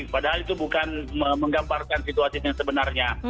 padahal itu bukan menggambarkan situasi yang sebenarnya